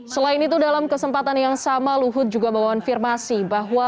selain itu dalam kesempatan yang sama luhut juga mengonfirmasi bahwa